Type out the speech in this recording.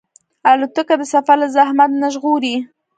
الوتکه د سفر له زحمت نه ژغوري.